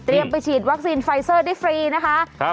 ไปฉีดวัคซีนไฟเซอร์ได้ฟรีนะคะ